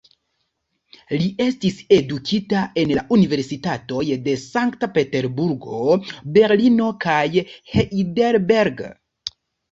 Li estis edukita en la universitatoj de Sankt-Peterburgo, Berlino kaj Heidelberg.